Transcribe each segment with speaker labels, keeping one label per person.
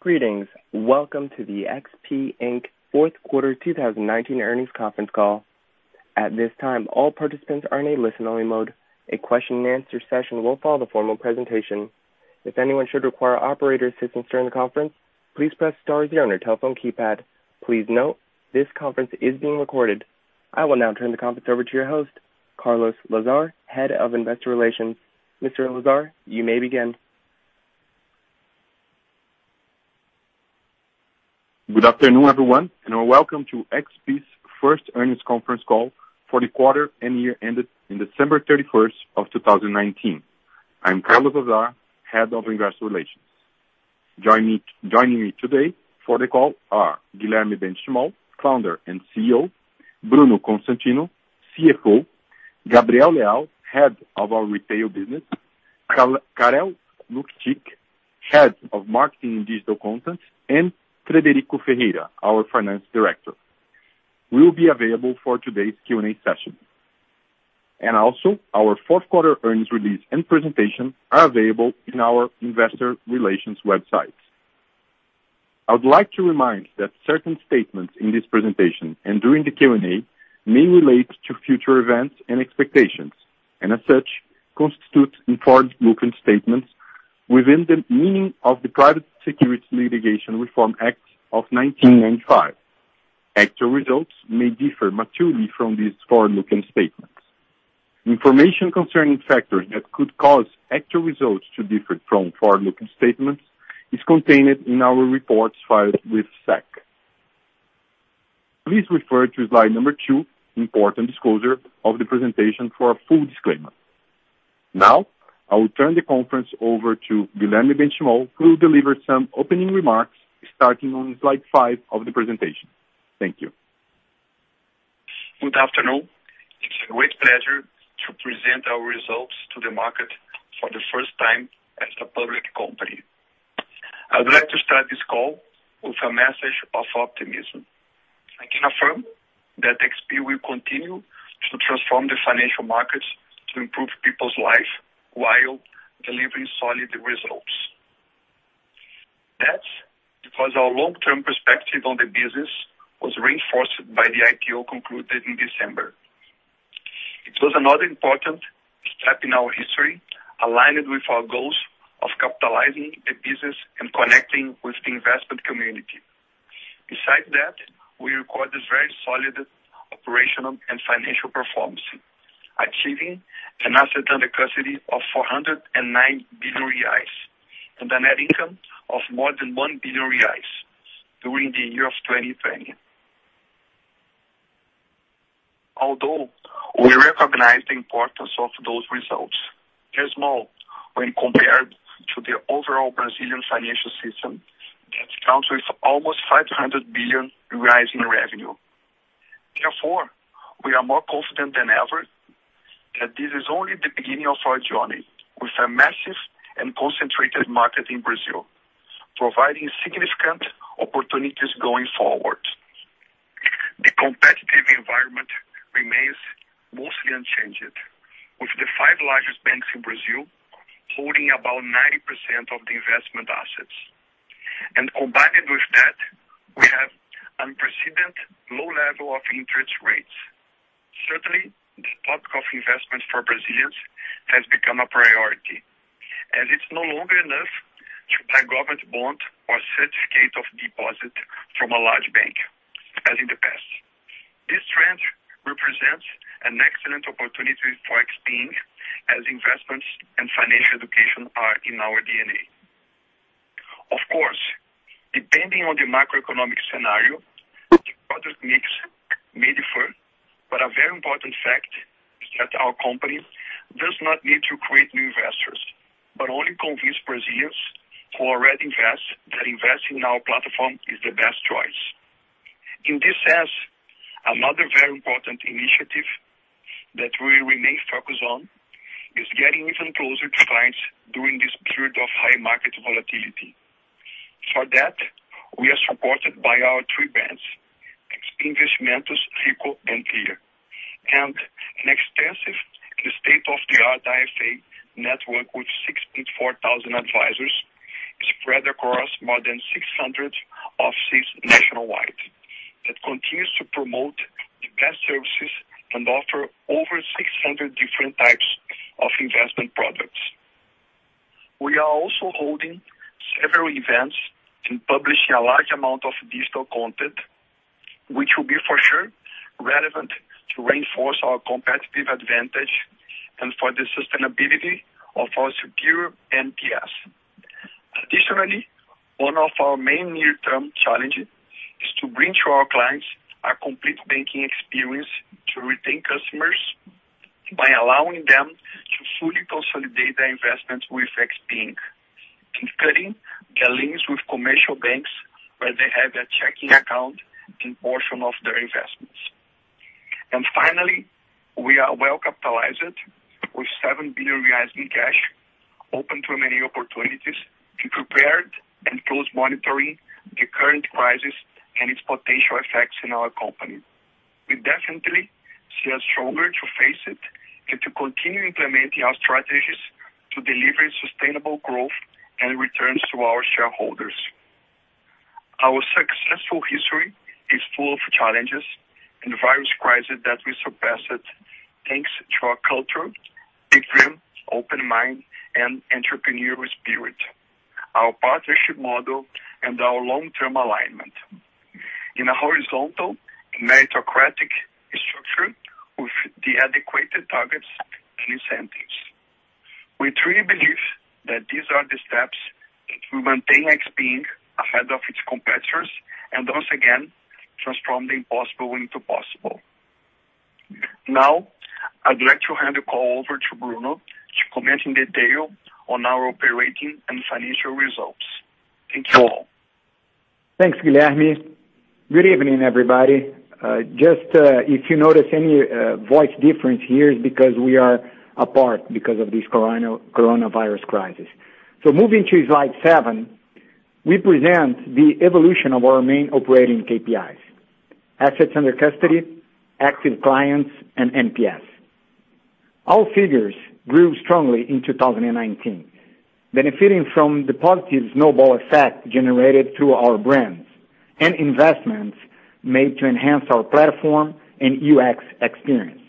Speaker 1: Greetings. Welcome to the XP Inc. Fourth Quarter 2019 earnings conference call. At this time, all participants are in a listen-only mode. A question and answer session will follow the formal presentation. If anyone should require operator assistance during the conference, please press star zero on your telephone keypad. Please note this conference is being recorded. I will now turn the conference over to your host, Carlos Lazar, Head of Investor Relations. Mr. Lazar, you may begin.
Speaker 2: Good afternoon, everyone, and welcome to XP's first earnings conference call for the quarter and year ended in December 31st of 2019. I'm Carlos Lazar, Head of Investor Relations. Joining me today for the call are Guilherme Benchimol, founder and CEO, Bruno Constantino, CFO, Gabriel Leal, Head of Retail Business, Karel Luketic, Head of Marketing and Digital Content, and Frederico Ferreira, our Finance Director. We will be available for today's Q&A session. Also, our fourth quarter earnings release and presentation are available in our investor relations websites. I would like to remind that certain statements in this presentation and during the Q&A may relate to future events and expectations, and as such, constitute forward-looking statements within the meaning of the Private Securities Litigation Reform Act of 1995. Actual results may differ materially from these forward-looking statements. Information concerning factors that could cause actual results to differ from forward-looking statements is contained in our reports filed with SEC. Please refer to slide number two, Important Disclosure, of the presentation for a full disclaimer. Now, I will turn the conference over to Guilherme Benchimol who will deliver some opening remarks starting on slide five of the presentation. Thank you.
Speaker 3: Good afternoon. It's a great pleasure to present our results to the market for the first time as a public company. I would like to start this call with a message of optimism. I can affirm that XP Inc. will continue to transform the financial markets to improve people's life while delivering solid results. That's because our long term perspective on the business was reinforced by the IPO concluded in December. It was another important step in our history, aligned with our goals of capitalizing the business and connecting with the investment community. Besides that, we recorded very solid operational and financial performance, achieving an asset under custody of 409 billion reais and a net income of more than 1 billion reais during the year of 2020. Although we recognize the importance of those results, they're small when compared to the overall Brazilian financial system that counts with almost 500 billion in revenue. Therefore, we are more confident than ever that this is only the beginning of our journey with a massive and concentrated market in Brazil, providing significant opportunities going forward. Combined with that, we have unprecedented low level of interest rates. Certainly, the thought of investment for Brazilians has become a priority, as it's no longer enough to buy government bond or certificate of deposit from a large bank as in the past. This trend represents an excellent opportunity for XP as investments and financial education are in our DNA. Of course, depending on the macroeconomic scenario, the product mix may differ, but a very important fact is that our company does not need to create new investors, but only convince Brazilians who already invest that investing in our platform is the best choice. In this sense, another very important initiative that we remain focused on is getting even closer to clients during this period of high market volatility. For that, we are supported by our three brands, XP Investimentos, Rico and Clear, and an extensive state-of-the-art IFA network with 64,400 advisors spread across more than 600 offices nationwide that continues to promote the best services and offer over 600 different types of investment products. We are also holding several events and publishing a large amount of digital content, which will be for sure relevant to reinforce our competitive advantage and for the sustainability of our secure NPS. Additionally, one of our main near-term challenges is to bring to our clients a complete banking experience to retain customers by allowing them to fully consolidate their investments with XP Inc., including their links with commercial banks where they have their checking account and portion of their investments. Finally, we are well capitalized with 7 billion reais in cash, open to many opportunities, close monitoring the current crisis and its potential effects in our company. We definitely see us stronger to face it and to continue implementing our strategies to deliver sustainable growth and returns to our shareholders. Our successful history is full of challenges and various crises that we surpassed thanks to our culture, big dream, open mind, and entrepreneurial spirit, our partnership model and our long-term alignment in a horizontal meritocratic structure with the adequate targets and incentives. We truly believe that these are the steps that will maintain XP ahead of its competitors and once again transform the impossible into possible. Now I'd like to hand the call over to Bruno to comment in detail on our operating and financial results. Thank you all.
Speaker 4: Thanks, Guilherme. Good evening, everybody. If you notice any voice difference here is because we are apart because of this coronavirus crisis. Moving to slide seven, we present the evolution of our main operating KPIs, assets under custody, active clients and NPS. Our figures grew strongly in 2019, benefiting from the positive snowball effect generated through our brands and investments made to enhance our platform and UX experience.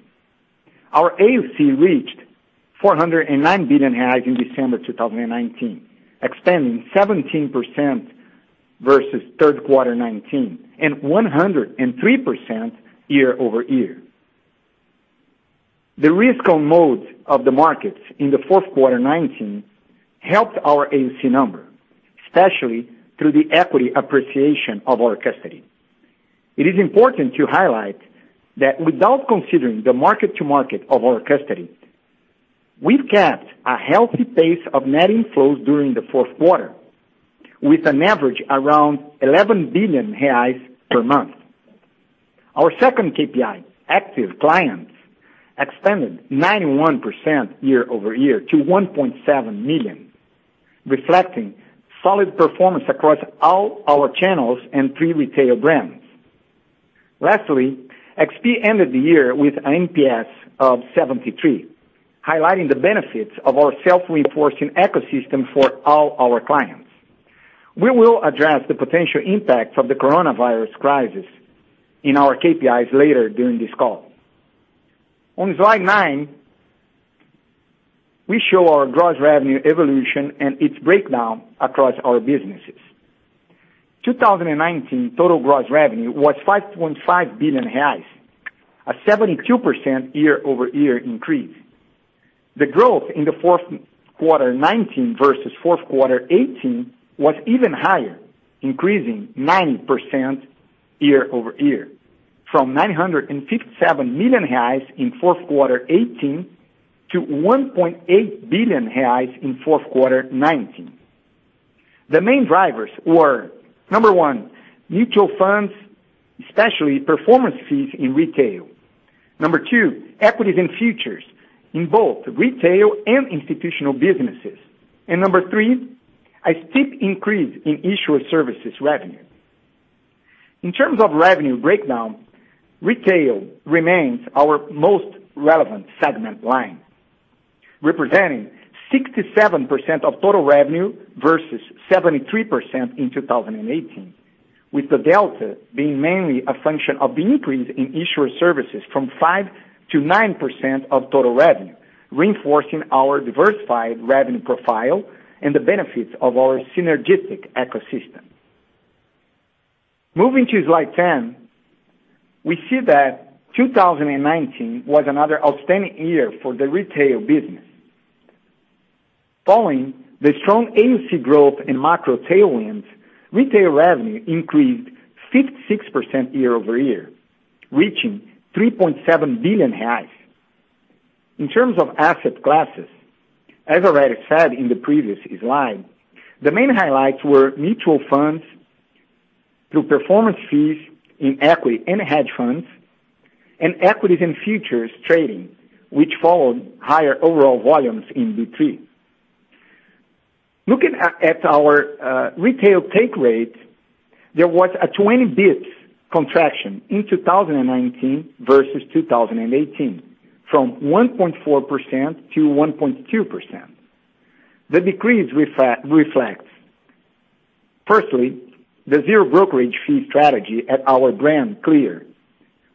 Speaker 4: Our AUC reached 409 billion reais in December 2019, expanding 17% versus third quarter 2019 and 103% year-over-year. The risk on mode of the markets in the fourth quarter 2019 helped our AUC number, especially through the equity appreciation of our custody. It is important to highlight that without considering the market to market of our custody, we've kept a healthy pace of net inflows during the fourth quarter with an average around 11 billion reais per month. Our second KPI, active clients expanded 91% year-over-year to 1.7 million, reflecting solid performance across all our channels and three retail brands. Lastly, XP ended the year with an NPS of 73, highlighting the benefits of our self-reinforcing ecosystem for all our clients. We will address the potential impacts of the coronavirus crisis in our KPIs later during this call. On slide nine, we show our gross revenue evolution and its breakdown across our businesses. 2019, total gross revenue was 5.5 billion reais, a 72% year-over-year increase. The growth in the fourth quarter 2019 versus fourth quarter 2018 was even higher, increasing 90% year-over-year from 957 million reais in fourth quarter 2018 to 1.8 billion reais in fourth quarter 2019. The main drivers were, number one, mutual funds especially performance fees in retail. Number two, equities and futures in both retail and institutional businesses. Number three, a steep increase in issuer services revenue. In terms of revenue breakdown, retail remains our most relevant segment line, representing 67% of total revenue versus 73% in 2018, with the delta being mainly a function of the increase in issuer services from 5%-9% of total revenue, reinforcing our diversified revenue profile and the benefits of our synergistic ecosystem. Moving to slide 10, we see that 2019 was another outstanding year for the retail business. Following the strong AUC growth in macro tailwinds, retail revenue increased 56% year-over-year, reaching 3.7 billion reais. In terms of asset classes, as already said in the previous slide, the main highlights were mutual funds through performance fees in equity and hedge funds and equities and futures trading which followed higher overall volumes in B3. Looking at our retail take rate, there was a 20 basis points contraction in 2019 versus 2018 from 1.4%-1.2%. The decrease reflects firstly, the zero brokerage fee strategy at our brand Clear,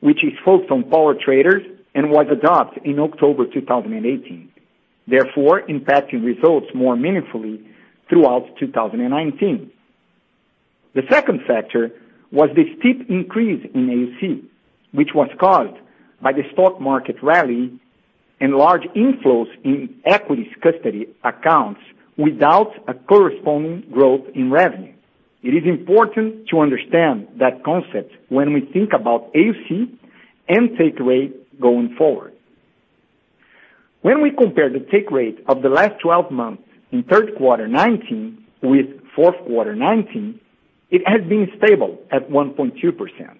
Speaker 4: which is focused on power traders and was adopted in October 2018, therefore impacting results more meaningfully throughout 2019. The second factor was the steep increase in AUC which was caused by the stock market rally and large inflows in equities custody accounts without a corresponding growth in revenue. It is important to understand that concept when we think about AUC and take rate going forward. When we compare the take rate of the last 12 months in third quarter 2019 with fourth quarter 2019, it has been stable at 1.2%.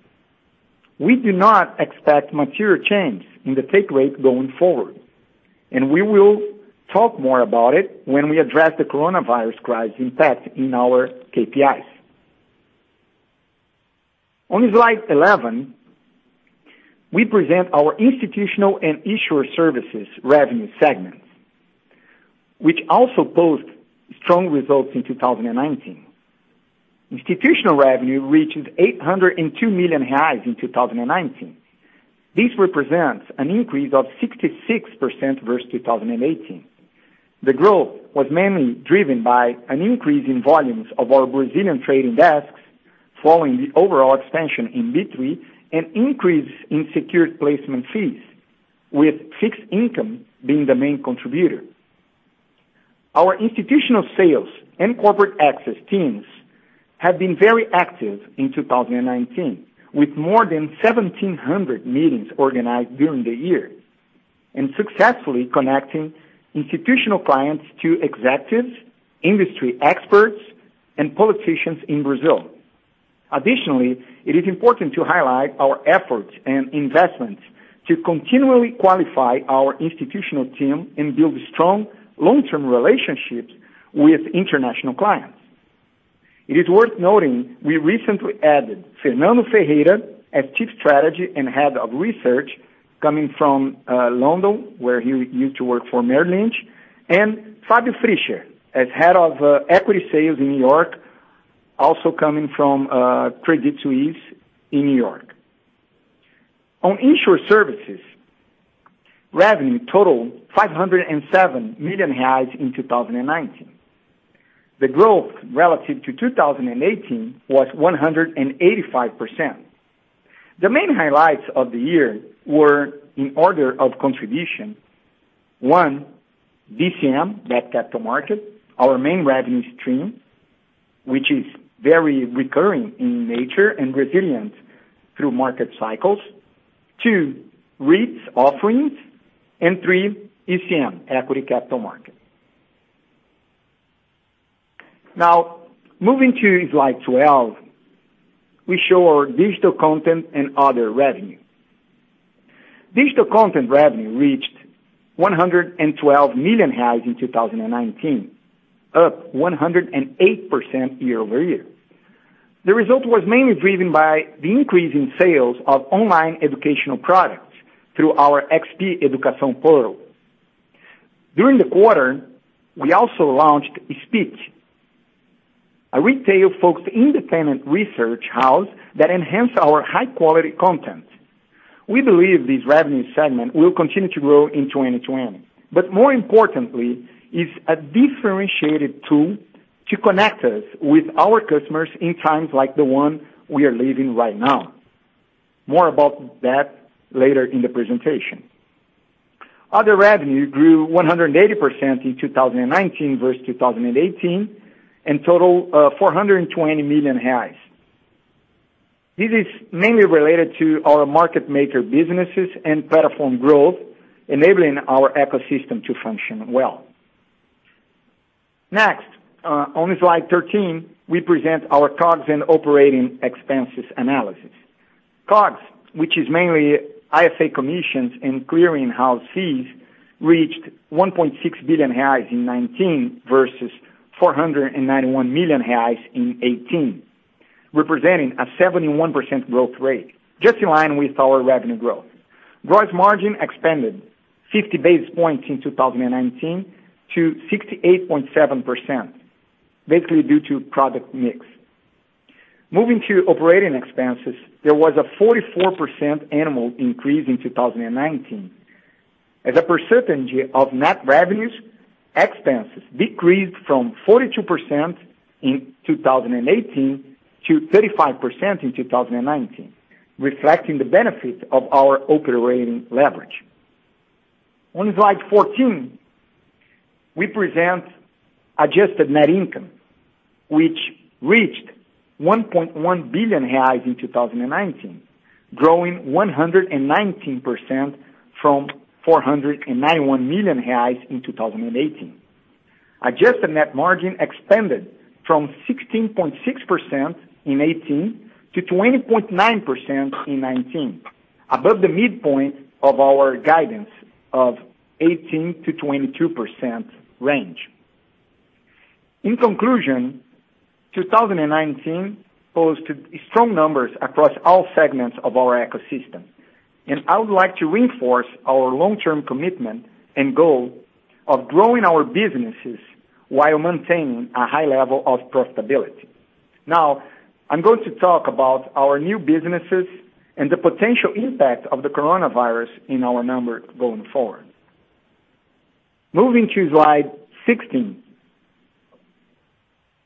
Speaker 4: We do not expect material change in the take rate going forward, and we will talk more about it when we address the coronavirus crisis impact in our KPIs. On slide 11, we present our institutional and issuer services revenue segments, which also post strong results in 2019. Institutional revenue reached 802 million in 2019. This represents an increase of 66% versus 2018. The growth was mainly driven by an increase in volumes of our Brazilian trading desks, following the overall expansion in B3 and increase in secured placement fees, with fixed income being the main contributor. Our institutional sales and corporate access teams have been very active in 2019, with more than 1,700 meetings organized during the year, and successfully connecting institutional clients to executives, industry experts, and politicians in Brazil. Additionally, it is important to highlight our efforts and investments to continually qualify our institutional team and build strong long-term relationships with international clients. It is worth noting we recently added Fernando Ferreira as Chief Strategist and Head of Research coming from London, where he used to work for Merrill Lynch, and Fabio Frischeisen as Head of Equity Sales in New York, also coming from Credit Suisse in New York. On issuer services, revenue totaled 507 million reais in 2019. The growth relative to 2018 was 185%. The main highlights of the year were in order of contribution, one, DCM, debt capital market, our main revenue stream, which is very recurring in nature and resilient through market cycles. Two, REITs offerings, three, ECM, equity capital market. Moving to slide 12, we show our digital content and other revenue. Digital content revenue reached 112 million reais in 2019, up 108% year-over-year. The result was mainly driven by the increase in sales of online educational products through our XP Educação portal. During the quarter, we also launched Spiti, a retail-focused independent research house that enhance our high-quality content. We believe this revenue segment will continue to grow in 2020, more importantly, is a differentiated tool to connect us with our customers in times like the one we are living right now. More about that later in the presentation. Other revenue grew 180% in 2019 versus 2018 and total, 420 million reais. This is mainly related to our market maker businesses and platform growth, enabling our ecosystem to function well. On slide 13, we present our COGS and operating expenses analysis. COGS, which is mainly IFA commissions and clearing house fees, reached 1.6 billion reais in 2019 versus 491 million reais in 2018, representing a 71% growth rate, just in line with our revenue growth. Gross margin expanded 50 basis points in 2019 to 68.7%, basically due to product mix. Moving to operating expenses, there was a 44% annual increase in 2019. As a percentage of net revenues, expenses decreased from 42% in 2018 to 35% in 2019, reflecting the benefit of our operating leverage. On slide 14, we present adjusted net income, which reached 1.1 billion reais in 2019, growing 119% from 491 million reais in 2018. Adjusted net margin expanded from 16.6% in 2018 to 20.9% in 2019, above the midpoint of our guidance of 18%-22% range. In conclusion, 2019 posted strong numbers across all segments of our ecosystem. I would like to reinforce our long-term commitment and goal of growing our businesses while maintaining a high level of profitability. Now, I'm going to talk about our new businesses and the potential impact of the coronavirus in our numbers going forward. Moving to slide 16.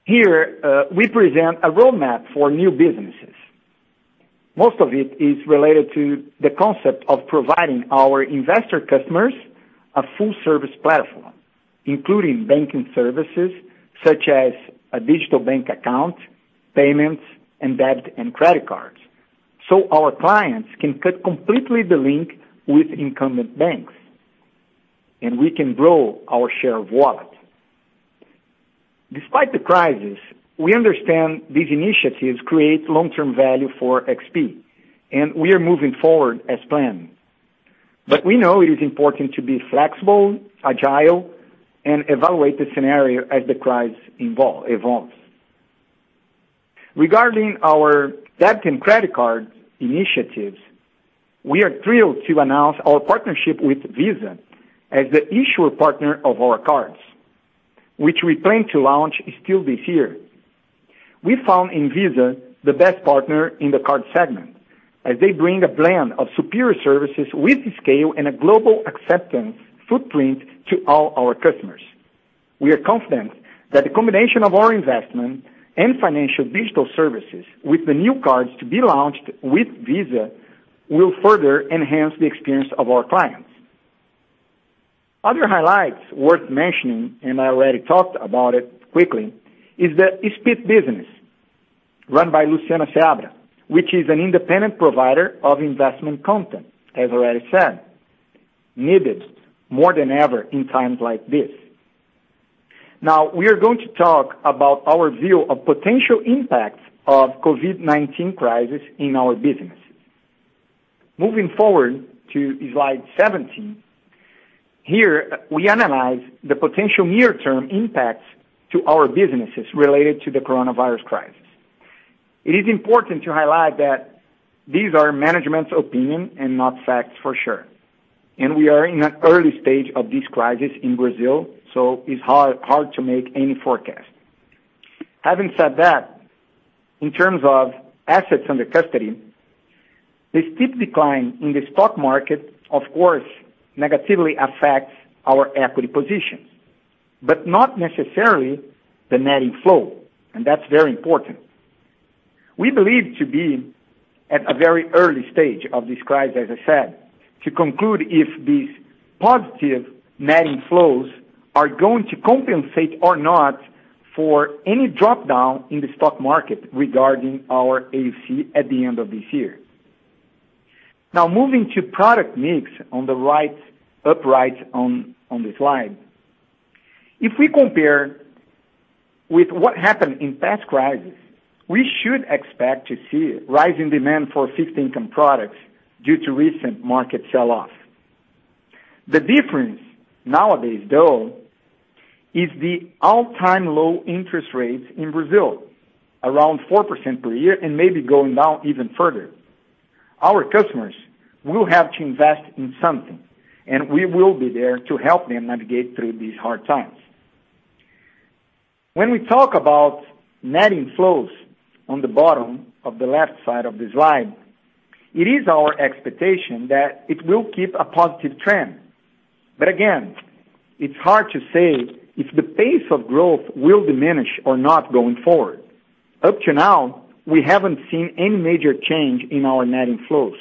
Speaker 4: Here we present a roadmap for new businesses. Most of it is related to the concept of providing our investor customers a full service platform, including banking services such as a digital bank account, payments, and debit and credit cards, so our clients can cut completely the link with incumbent banks, and we can grow our share of wallet. Despite the crisis, we understand these initiatives create long-term value for XP, and we are moving forward as planned. We know it is important to be flexible, agile, and evaluate the scenario as the crisis evolves. Regarding our debit and credit card initiatives, we are thrilled to announce our partnership with Visa as the issuer partner of our cards, which we plan to launch still this year. We found in Visa the best partner in the card segment, as they bring a blend of superior services with scale and a global acceptance footprint to all our customers. We are confident that the combination of our investment and financial digital services with the new cards to be launched with Visa will further enhance the experience of our clients. Other highlights worth mentioning, and I already talked about it quickly, is the Spiti business run by Luciana Seabra, which is an independent provider of investment content, as already said, needed more than ever in times like this. We are going to talk about our view of potential impacts of COVID-19 crisis in our businesses. Moving forward to slide 17. We analyze the potential near-term impacts to our businesses related to the coronavirus crisis. It is important to highlight that these are management's opinion and not facts for sure, and we are in an early stage of this crisis in Brazil, so it's hard to make any forecast. Having said that, in terms of assets under custody, the steep decline in the stock market, of course, negatively affects our equity positions, but not necessarily the net inflow, and that's very important. We believe to be at a very early stage of this crisis, as I said, to conclude if these positive net inflows are going to compensate or not for any drop-down in the stock market regarding our AUC at the end of this year. Moving to product mix on the right upright on the slide. If we compare with what happened in past crisis, we should expect to see a rise in demand for fixed income products due to recent market sell-off. The difference nowadays, though, is the all-time low interest rates in Brazil, around 4% per year, and maybe going down even further. Our customers will have to invest in something, and we will be there to help them navigate through these hard times. When we talk about net inflows on the bottom of the left side of the slide, it is our expectation that it will keep a positive trend. Again, it's hard to say if the pace of growth will diminish or not going forward. Up to now, we haven't seen any major change in our net inflows,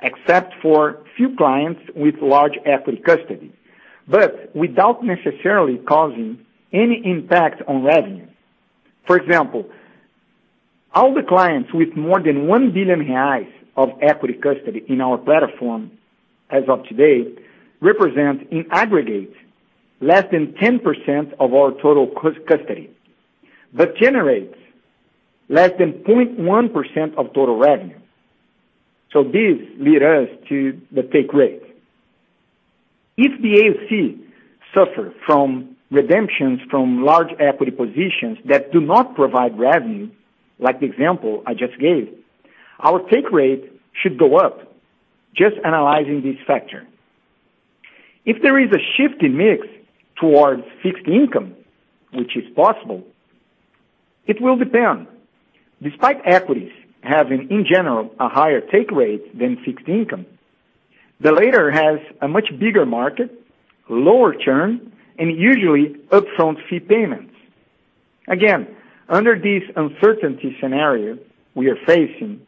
Speaker 4: except for few clients with large equity custody, but without necessarily causing any impact on revenue. For example, all the clients with more than 1 billion reais of equity custody in our platform as of today represent, in aggregate, less than 10% of our total custody, but generates less than 0.1% of total revenue. This lead us to the take rate. If the AUC suffer from redemptions from large equity positions that do not provide revenue, like the example I just gave, our take rate should go up, just analyzing this factor. If there is a shift in mix towards fixed income, which is possible, it will depend. Despite equities having, in general, a higher take rate than fixed income, the latter has a much bigger market, lower churn, and usually upfront fee payments. Again, under this uncertainty scenario we are facing,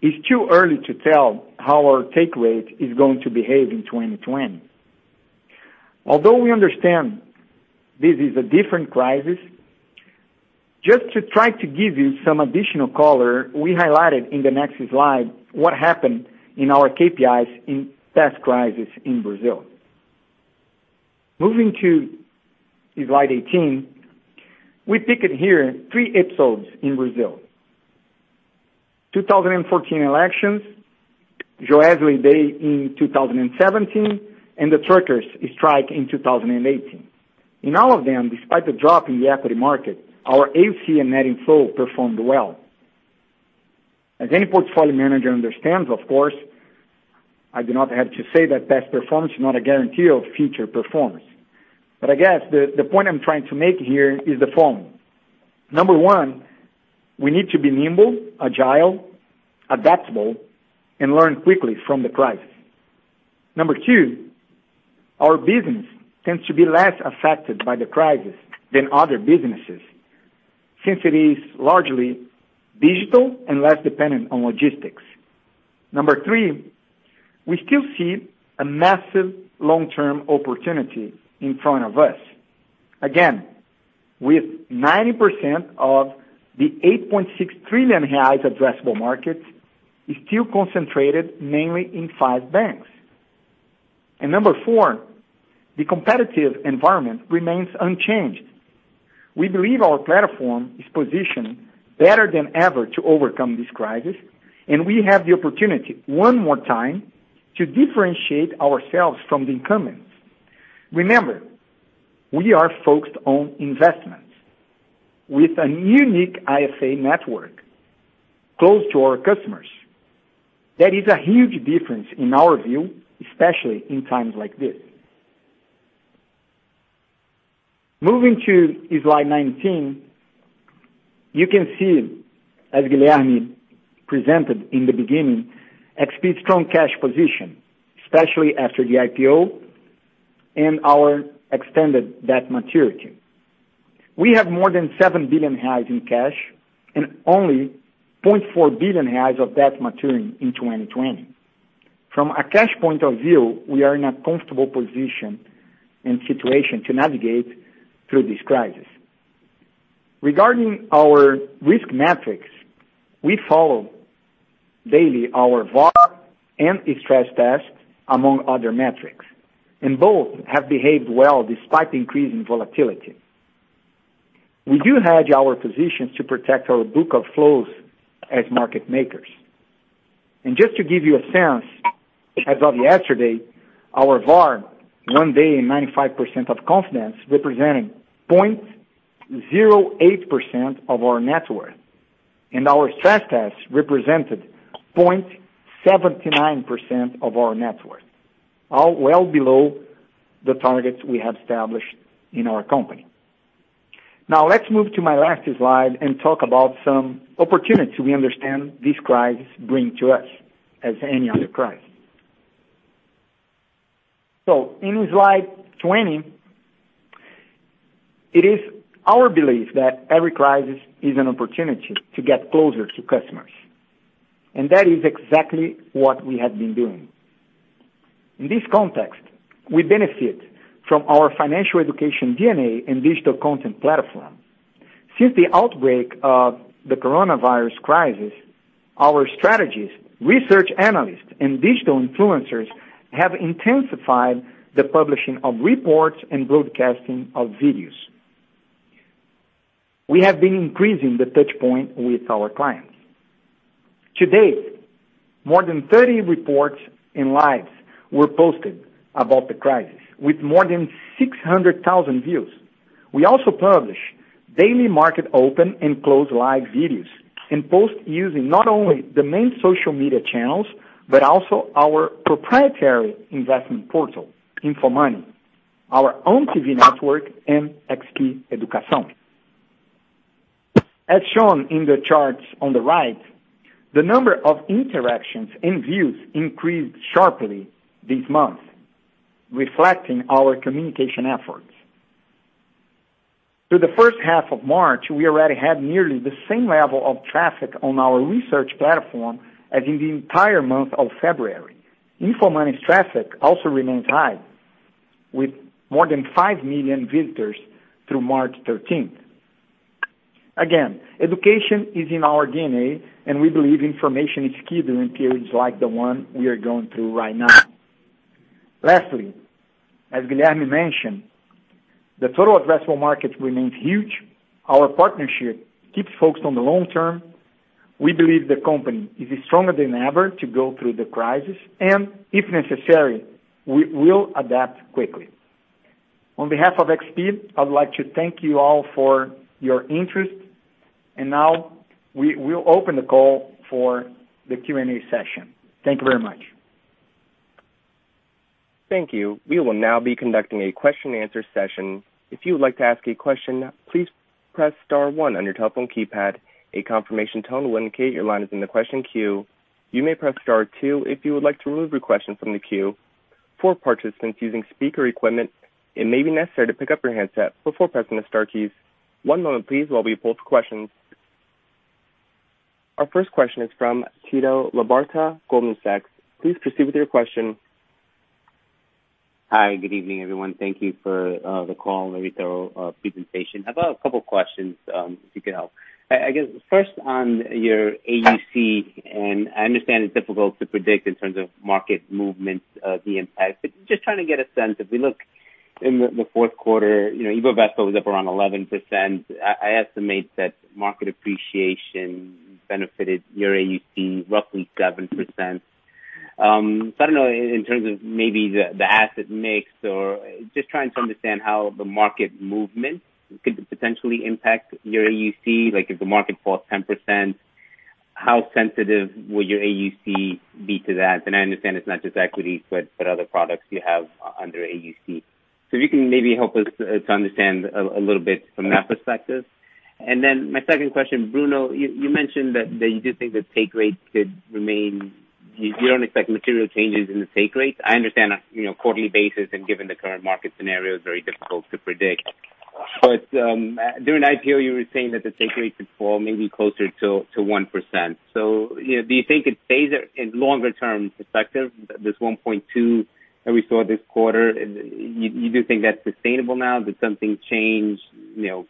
Speaker 4: it's too early to tell how our take rate is going to behave in 2020. Although we understand this is a different crisis, just to try to give you some additional color, we highlighted in the next slide what happened in our KPIs in past crisis in Brazil. Moving to slide 18. We picked here three episodes in Brazil. 2014 elections, Joesley day in 2017, and the truckers strike in 2018. In all of them, despite the drop in the equity market, our AUC and net inflow performed well. As any portfolio manager understands, of course, I do not have to say that past performance is not a guarantee of future performance. I guess the point I'm trying to make here is the following. Number one, we need to be nimble, agile, adaptable, and learn quickly from the crisis. Number two, our business tends to be less affected by the crisis than other businesses since it is largely digital and less dependent on logistics. Number three, we still see a massive long-term opportunity in front of us. Again, with 90% of the 8.6 trillion reais addressable market is still concentrated mainly in five banks. Number four, the competitive environment remains unchanged. We believe our platform is positioned better than ever to overcome this crisis, and we have the opportunity, one more time, to differentiate ourselves from the incumbents. Remember, we are focused on investments with a unique IFA network close to our customers. That is a huge difference in our view, especially in times like this. Moving to slide 19, you can see, as Guilherme presented in the beginning, XP's strong cash position, especially after the IPO and our extended debt maturity. We have more than 7 billion reais in cash and only 0.4 billion reais of debt maturing in 2020. From a cash point of view, we are in a comfortable position and situation to navigate through this crisis. Regarding our risk metrics, we follow daily our VaR and stress tests among other metrics, and both have behaved well despite the increase in volatility. We do hedge our positions to protect our book of flows as market makers. Just to give you a sense, as of yesterday, our VaR, one day and 95% of confidence representing 0.08% of our net worth, and our stress tests represented 0.79% of our net worth, all well below the targets we have established in our company. Let's move to my last slide and talk about some opportunities we understand this crisis bring to us as any other crisis. In slide 20, it is our belief that every crisis is an opportunity to get closer to customers, and that is exactly what we have been doing. In this context, we benefit from our financial education DNA and digital content platform. Since the outbreak of the coronavirus crisis, our strategies, research analysts, and digital influencers have intensified the publishing of reports and broadcasting of videos. We have been increasing the touchpoint with our clients. To date, more than 30 reports and lives were posted about the crisis, with more than 600,000 views. We also publish daily market open and close live videos and post using not only the main social media channels, but also our proprietary investment portal, InfoMoney, our own TV network, and XP Educação. As shown in the charts on the right, the number of interactions and views increased sharply this month, reflecting our communication efforts. Through the first half of March, we already had nearly the same level of traffic on our research platform as in the entire month of February. InfoMoney's traffic also remains high, with more than 5 million visitors through March 13th. Again, education is in our DNA, and we believe information is key during periods like the one we are going through right now. Lastly, as Guilherme mentioned, the total addressable market remains huge. Our partnership keeps focused on the long term. We believe the company is stronger than ever to go through the crisis, and if necessary, we will adapt quickly. On behalf of XP, I'd like to thank you all for your interest, and now we'll open the call for the Q&A session. Thank you very much.
Speaker 1: Thank you. We will now be conducting a question and answer session. If you would like to ask a question, please press star one on your telephone keypad. A confirmation tone will indicate your line is in the question queue. You may press star two if you would like to remove your question from the queue. For participants using speaker equipment, it may be necessary to pick up your handset before pressing the star keys. One moment please, while we pull up the questions. Our first question is from Tito Labarta, Goldman Sachs. Please proceed with your question.
Speaker 5: Hi. Good evening, everyone. Thank you for the call and very thorough presentation. I have a couple of questions if you could help. I guess, first on your AUC, I understand it's difficult to predict in terms of market movements, the impact, but just trying to get a sense. If we look in the fourth quarter, Ibovespa was up around 11%. I estimate that market appreciation benefited your AUC roughly 7%. I don't know, in terms of maybe the asset mix or just trying to understand how the market movement could potentially impact your AUC. If the market falls 10%, how sensitive will your AUC be to that? I understand it's not just equities but other products you have under AUC. If you can maybe help us to understand a little bit from that perspective. My second question, Bruno, you mentioned that you don't expect material changes in the take rates. I understand on a quarterly basis and given the current market scenario, it's very difficult to predict. During IPO, you were saying that the take rate could fall maybe closer to 1%. Do you think it stays in longer term perspective, this 1.2 that we saw this quarter? You do think that's sustainable now? Did something change, you know?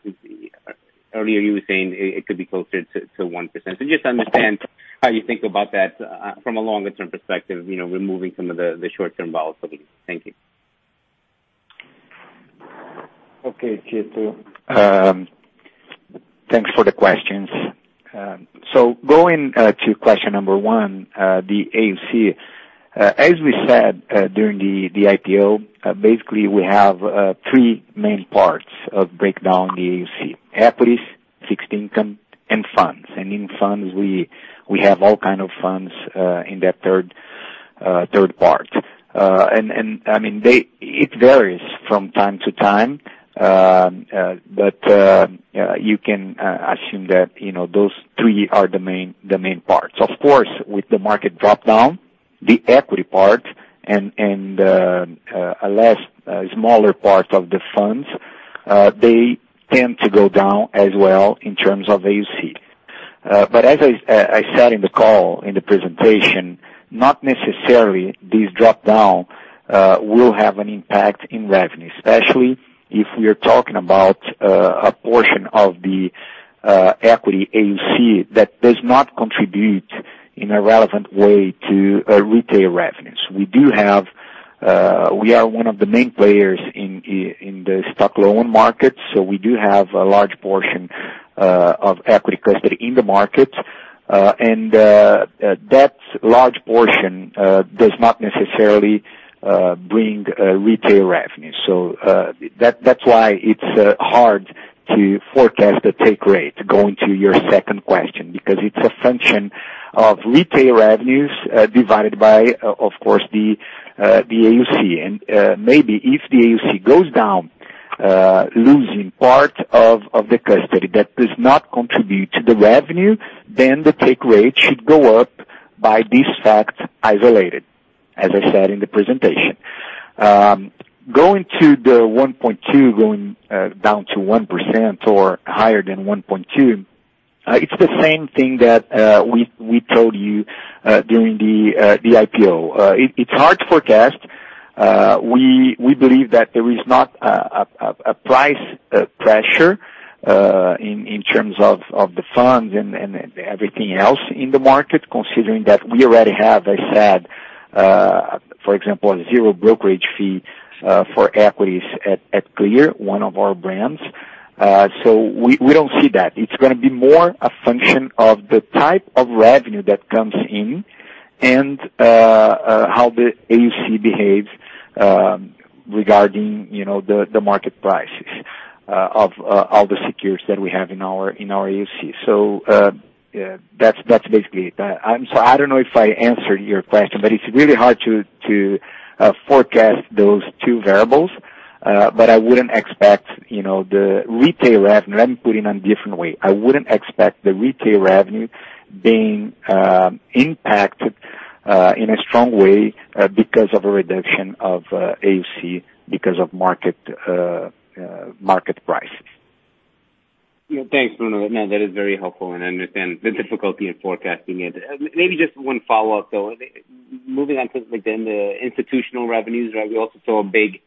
Speaker 5: Earlier you were saying it could be closer to 1%. Just to understand how you think about that from a longer-term perspective, removing some of the short-term volatility. Thank you.
Speaker 4: Okay, Tito. Thanks for the questions. Going to question number 1, the AUC. As we said during the IPO, basically we have three main parts of breakdown the AUC. Equities, fixed income, and funds. In funds, we have all kind of funds in that third part. It varies from time to time, but you can assume that those three are the main parts. Of course, with the market drop down, the equity part and a smaller part of the funds, they tend to go down as well in terms of AUC. As I said in the call, in the presentation, not necessarily these drop down will have an impact in revenue, especially if we're talking about a portion of the equity AUC that does not contribute in a relevant way to our retail revenues. We are one of the main players in the stock loan market, so we do have a large portion of equity custody in the market. That large portion does not necessarily bring retail revenue. That's why it's hard to forecast the take rate, going to your second question, because it's a function of retail revenues divided by, of course, the AUC. Maybe if the AUC goes down, losing part of the custody that does not contribute to the revenue, then the take rate should go up by this fact isolated, as I said in the presentation. Going to the 1.2, going down to 1% or higher than 1.2, it's the same thing that we told you during the IPO. It's hard to forecast. We believe that there is not a price pressure in terms of the funds and everything else in the market, considering that we already have, as I said, for example, a zero brokerage fee for equities at Clear, one of our brands. We don't see that. It's going to be more a function of the type of revenue that comes in and how the AUC behaves regarding the market prices of all the securities that we have in our AUC. That's basically it. I don't know if I answered your question, but it's really hard to forecast those two variables, but I wouldn't expect the retail revenue. Let me put it in a different way. I wouldn't expect the retail revenue being impacted in a strong way because of a reduction of AUC because of market prices.
Speaker 5: Thanks, Bruno. That is very helpful, and I understand the difficulty in forecasting it. Maybe just one follow-up, though. Moving on to the institutional revenues, we also saw a big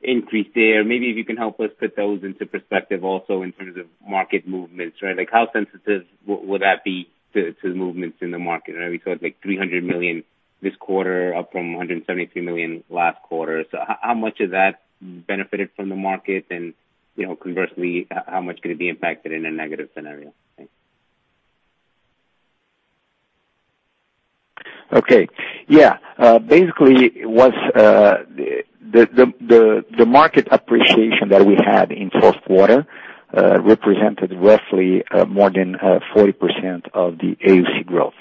Speaker 5: increase there. Maybe if you can help us put those into perspective also in terms of market movements. How sensitive would that be to the movements in the market? We saw like 300 million this quarter, up from 173 million last quarter. How much of that benefited from the market? Conversely, how much could it be impacted in a negative scenario? Thanks.
Speaker 4: Okay. Basically, the market appreciation that we had in fourth quarter represented roughly more than 40% of the AUC growth.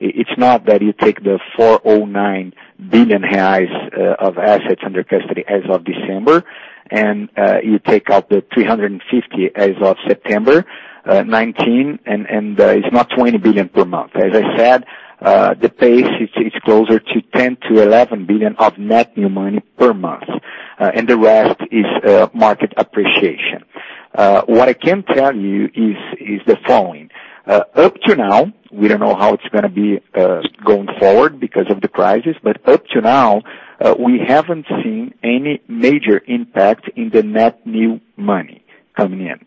Speaker 4: It's not that you take the 409 billion reais of assets under custody as of December, you take out the 350 as of September 2019, it's not 20 billion per month. As I said, the pace is closer to 10 billion to 11 billion of net new money per month. The rest is market appreciation. What I can tell you is the following. Up to now, we don't know how it's going to be going forward because of the crisis, up to now, we haven't seen any major impact in the net new money coming in.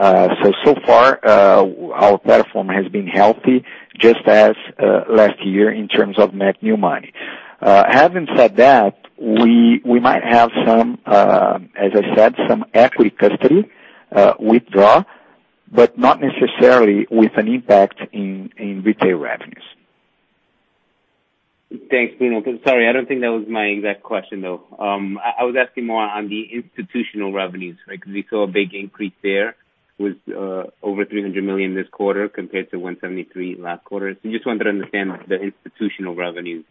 Speaker 4: So far our platform has been healthy just as last year in terms of net new money. Having said that, we might have, as I said, some equity custody withdraw, but not necessarily with an impact in retail revenues.
Speaker 5: Thanks, Bruno. Sorry, I don't think that was my exact question, though. I was asking more on the institutional revenues, because we saw a big increase there with over 300 million this quarter compared to 173 last quarter. Just wanted to understand the institutional revenues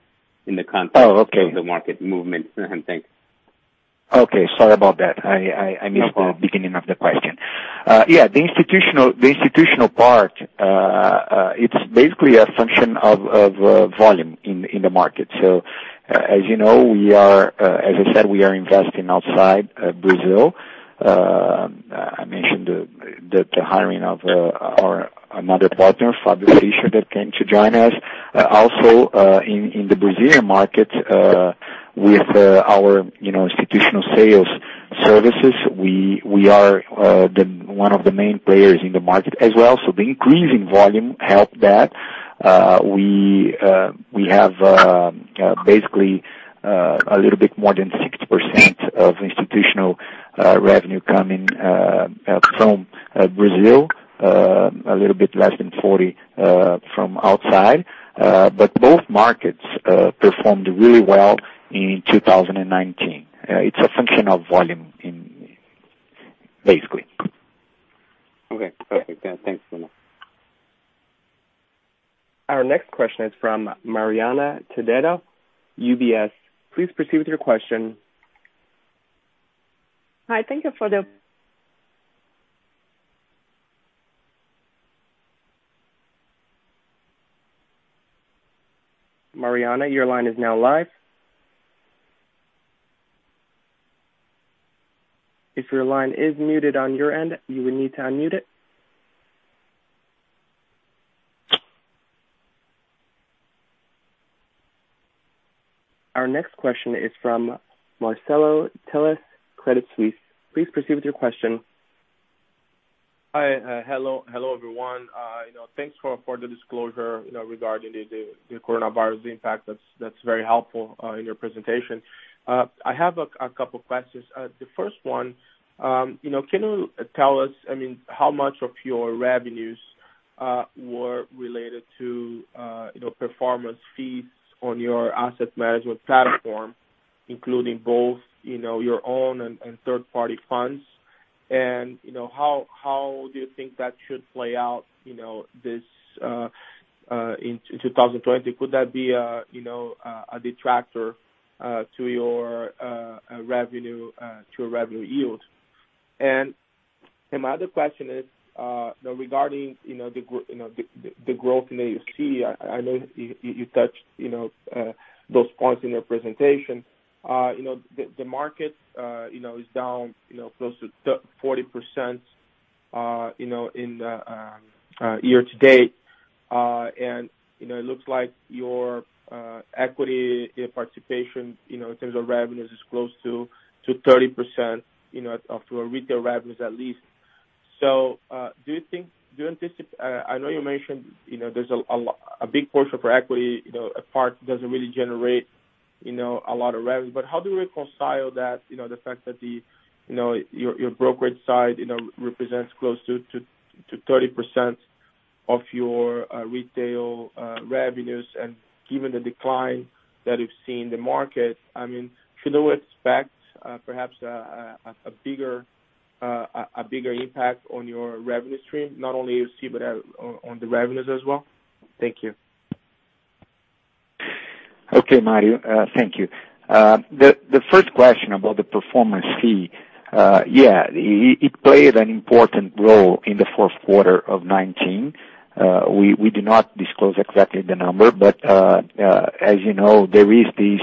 Speaker 5: in the context.
Speaker 4: Oh, okay.
Speaker 5: Of the market movement. Thanks.
Speaker 4: Okay. Sorry about that.
Speaker 5: No problem.
Speaker 4: I missed the beginning of the question. Yeah, the institutional part, it's basically a function of volume in the market. As you said, we are investing outside Brazil. I mentioned the hiring of our another partner, Fabio Frischer, that came to join us. Also in the Brazilian market With our institutional sales services, we are one of the main players in the market as well. The increase in volume helped that. We have basically a little bit more than 60% of institutional revenue coming from Brazil, a little bit less than 40% from outside. Both markets performed really well in 2019. It's a function of volume, basically.
Speaker 5: Okay, perfect. Thanks so much.
Speaker 1: Our next question is from Mariana Taddeo, UBS. Please proceed with your question.
Speaker 6: Hi. Thank you for.
Speaker 1: Mariana, your line is now live. If your line is muted on your end, you will need to unmute it. Our next question is from Marcelo Telles, Credit Suisse. Please proceed with your question.
Speaker 7: Hi. Hello, everyone. Thanks for the disclosure regarding the coronavirus impact. That's very helpful in your presentation. I have a couple questions. The first one, can you tell us how much of your revenues were related to performance fees on your asset management platform, including both your own and third-party funds? How do you think that should play out in 2020? Could that be a detractor to your revenue yield? My other question is regarding the growth in the XP. I know you touched those points in your presentation. The market is down close to 40% in the year to date. It looks like your equity participation in terms of revenues is close to 30% of your retail revenues at least. I know you mentioned there's a big portion for equity, a part doesn't really generate a lot of revenue. How do you reconcile that, the fact that your brokerage side represents close to 30% of your retail revenues and given the decline that you've seen in the market, should we expect perhaps a bigger impact on your revenue stream, not only XP but on the revenues as well? Thank you.
Speaker 4: Okay, Marcelo. Thank you. The first question about the performance fee. Yeah, it played an important role in the fourth quarter of 2019. We do not disclose exactly the number, but as you know, there is this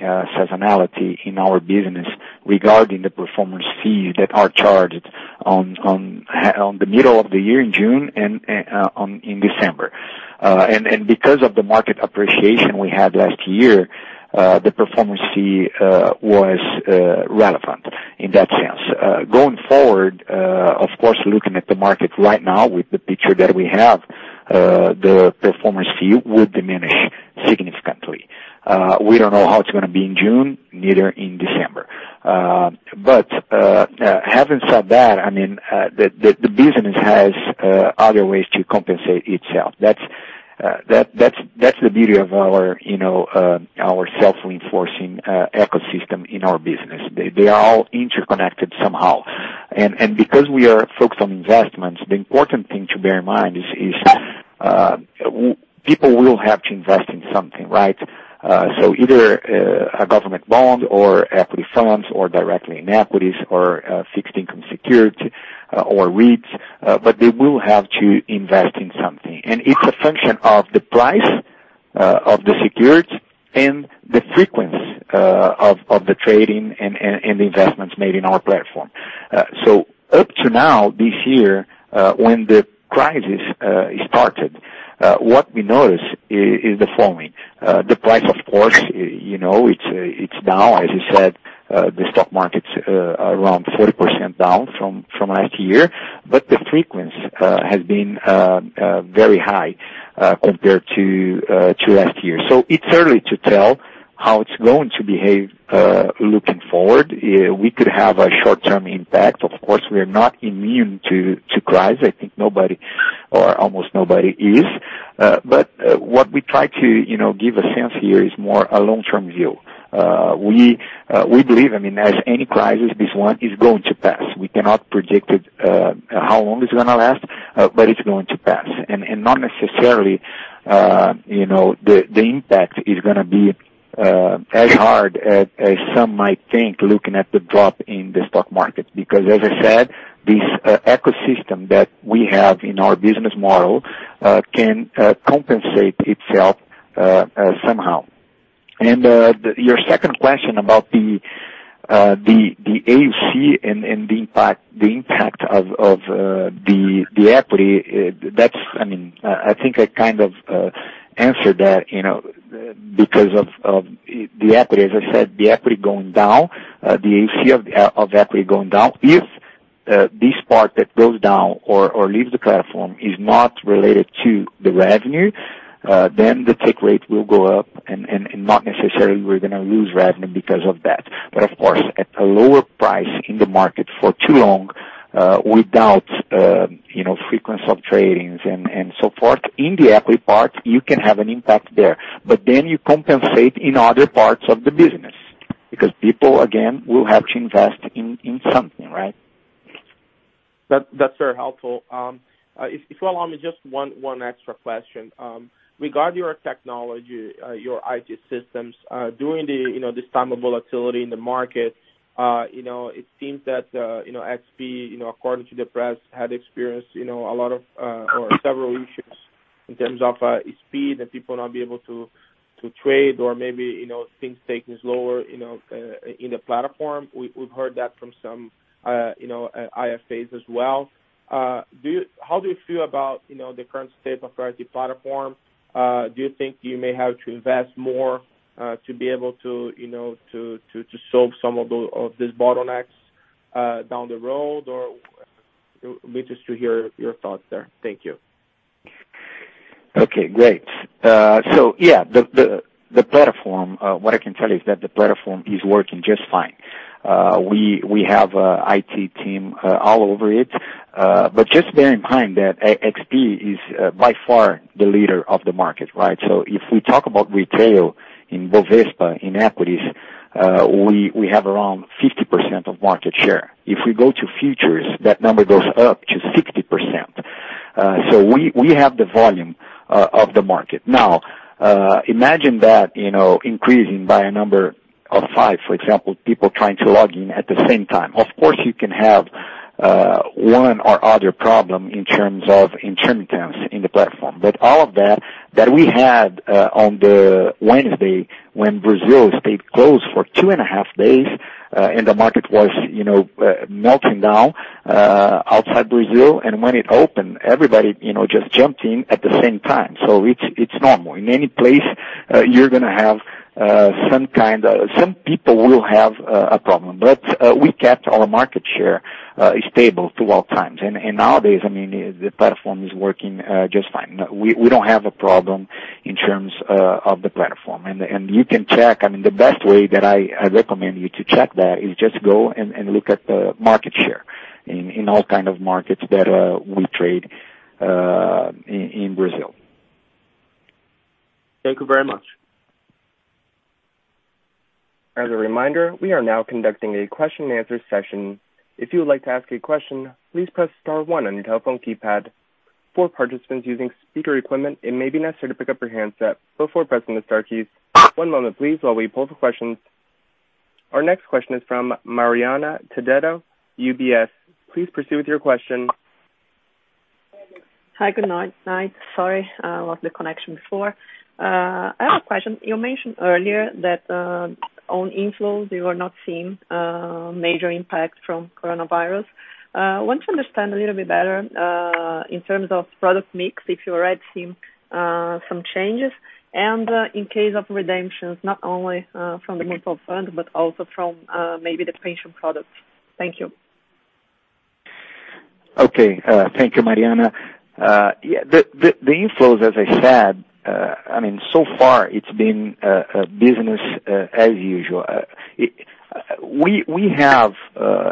Speaker 4: seasonality in our business regarding the performance fees that are charged in the middle of the year in June and in December. Because of the market appreciation we had last year, the performance fee was relevant in that sense. Going forward, of course, looking at the market right now with the picture that we have, the performance fee would diminish significantly. We don't know how it's going to be in June, neither in December. Having said that, the business has other ways to compensate itself. That's the beauty of our self-reinforcing ecosystem in our business. They are all interconnected somehow. Because we are focused on investments, the important thing to bear in mind is people will have to invest in something, right? Either a government bond or equity funds, or directly in equities or fixed income security or REITs, but they will have to invest in something. It's a function of the price of the security and the frequency of the trading and the investments made in our platform. Up to now, this year, when the crisis started, what we noticed is the following. The price, of course, it's down. As you said, the stock market's around 40% down from last year, but the frequency has been very high compared to last year. It's early to tell how it's going to behave looking forward. We could have a short-term impact. Of course, we are not immune to crisis. I think nobody or almost nobody is. What we try to give a sense here is more a long-term view. We believe, as any crisis, this one is going to pass. We cannot predict how long it's going to last, but it's going to pass. Not necessarily the impact is going to be as hard as some might think, looking at the drop in the stock market. As I said, this ecosystem that we have in our business model can compensate itself somehow. Your second question about the AUC and the impact of the equity, I think I kind of answered that. Of the equity, as I said, the equity going down, the AUC of equity going down, if this part that goes down or leaves the platform is not related to the revenue, the take rate will go up and not necessarily we're going to lose revenue because of that. Of course, at a lower price in the market for too long, without frequency of tradings and so forth, in the equity part, you can have an impact there. Then you compensate in other parts of the business because people, again, will have to invest in something, right?
Speaker 7: That's very helpful. If you allow me, just one extra question. Regarding your technology, your IT systems, during this time of volatility in the market, it seems that XP, according to the press, had experienced several issues in terms of speed and people not being able to trade or maybe things taking slower in the platform. We've heard that from some IFAs as well. How do you feel about the current state of your IT platform? Do you think you may have to invest more to be able to solve some of these bottlenecks down the road? We're interested to hear your thoughts there. Thank you.
Speaker 4: Okay, great. Yeah, the platform, what I can tell you is that the platform is working just fine. We have IT team all over it. Just bear in mind that XP is by far the leader of the market, right? If we talk about retail in Bovespa, in equities, we have around 50% of market share. If we go to futures, that number goes up to 60%. We have the volume of the market. Now, imagine that increasing by a number of five, for example, people trying to log in at the same time. Of course, you can have one or other problem in terms of intermittency in the platform. All of that we had on Wednesday, when Brazil stayed closed for two and a half days, and the market was melting down outside Brazil, and when it opened, everybody just jumped in at the same time. It's normal. In any place, you're going to have some people will have a problem. We kept our market share stable throughout times. Nowadays, the platform is working just fine. We don't have a problem in terms of the platform. You can check, the best way that I recommend you to check that is just go and look at the market share in all kind of markets that we trade in Brazil.
Speaker 7: Thank you very much.
Speaker 1: As a reminder, we are now conducting a question and answer session. If you would like to ask a question, please press star one on your telephone keypad. For participants using speaker equipment, it may be necessary to pick up your handset before pressing the star keys. One moment, please, while we pull for questions. Our next question is from Mariana Taddeo, UBS. Please proceed with your question.
Speaker 6: Hi. Good night. Sorry about the connection before. I have a question. You mentioned earlier that on inflows, you are not seeing major impact from coronavirus. I want to understand a little bit better, in terms of product mix, if you're already seeing some changes, and in case of redemptions, not only from the mutual fund, but also from maybe the pension products. Thank you.
Speaker 4: Okay. Thank you, Mariana. The inflows, as I said, so far it's been business as usual. We have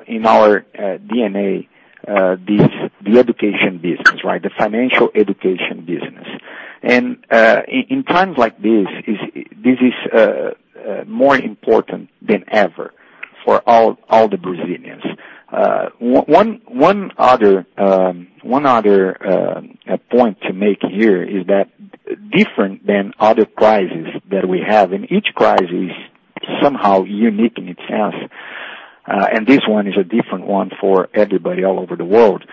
Speaker 4: in our DNA the education business. The financial education business. In times like this is more important than ever for all the Brazilians. One other point to make here is that different than other crises that we have, and each crisis is somehow unique in itself. This one is a different one for everybody all over the world.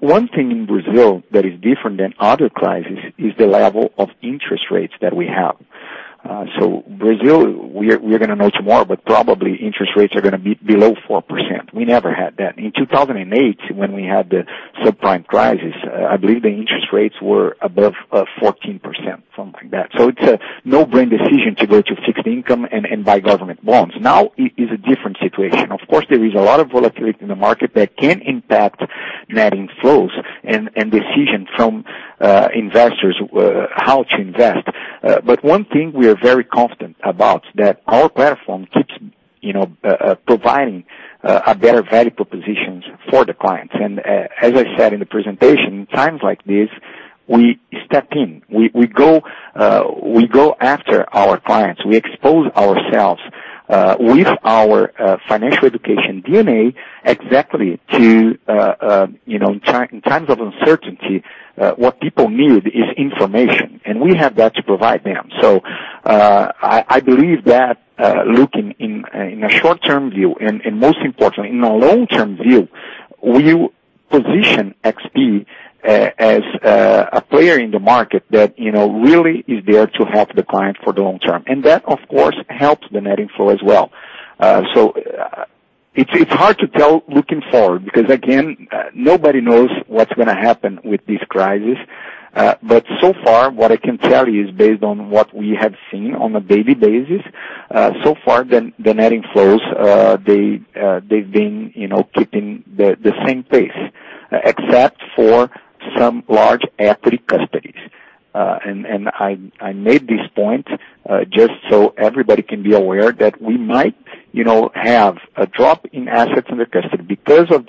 Speaker 4: One thing in Brazil that is different than other crises is the level of interest rates that we have. Brazil, we're going to know tomorrow, but probably interest rates are going to be below 4%. We never had that. In 2008, when we had the subprime crisis, I believe the interest rates were above 14%, something like that. It's a no-brainer decision to go to fixed income and buy government bonds. Now it is a different situation. Of course, there is a lot of volatility in the market that can impact net inflows and decision from investors how to invest. One thing we are very confident about is that our platform keeps providing a better value propositions for the clients. As I said in the presentation, in times like this, we step in. We go after our clients. We expose ourselves with our financial education DNA, in times of uncertainty, what people need is information, and we have that to provide them. I believe that looking in a short-term view and most importantly, in a long-term view. We position XP as a player in the market that really is there to help the client for the long term, and that, of course, helps the net inflow as well. It's hard to tell looking forward, because again, nobody knows what's going to happen with this crisis. So far, what I can tell you is based on what we have seen on a daily basis, so far the net inflows, they've been keeping the same pace, except for some large equity custodies. I made this point just so everybody can be aware that we might have a drop in assets under custody because of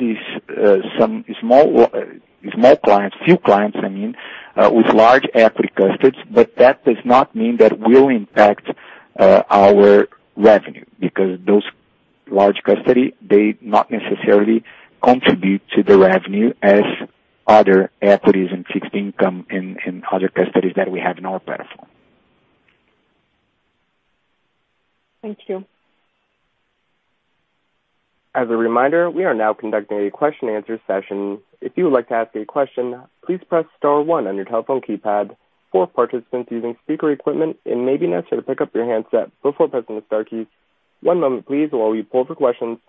Speaker 4: some small clients, few clients, I mean, with large equity custodies. That does not mean that will impact our revenue, because those large custodies, they not necessarily contribute to the revenue as other equities and fixed income and other custodies that we have in our platform.
Speaker 6: Thank you.
Speaker 1: As a reminder, we are now conducting a question and answer session. If you would like to ask a question, please press star one on your telephone keypad. For participants using speaker equipment, it may be necessary to pick up your handset before pressing the star key. One moment please while we poll for questions.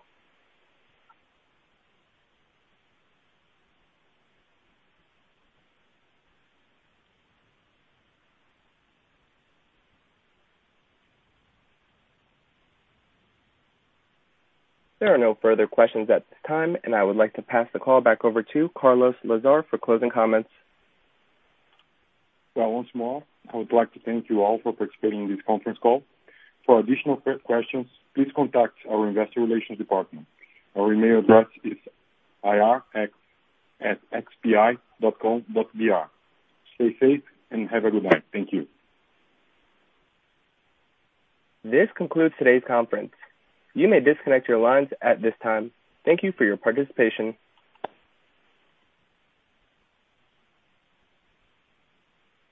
Speaker 1: There are no further questions at this time, and I would like to pass the call back over to Carlos Lazar for closing comments.
Speaker 2: Well, once more, I would like to thank you all for participating in this conference call. For additional questions, please contact our Investor Relations department. Our email address is ir@xpi.com.br. Stay safe, and have a good night. Thank you.
Speaker 1: This concludes today's conference. You may disconnect your lines at this time. Thank you for your participation.